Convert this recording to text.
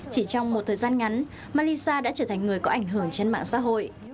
chỉ trong một thời gian ngắn malisa đã trở thành người có ảnh hưởng trên mạng xã hội